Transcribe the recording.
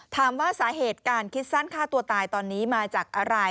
ถามว่าสาเหตุการคิดสั้นฆ่าตัวตายตอนนี้มาจากอะไร